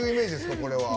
これは。